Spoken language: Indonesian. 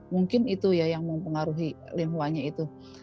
mungkin itu ya yang mempengaruhi lian hua nya itu